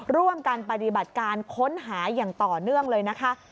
ร่วมกันปฏิบัติการค้นหาอย่างต่อเนื่องเลยนะคะ